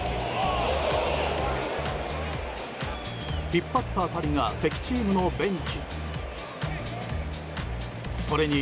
引っ張った当たりが敵チームのベンチに。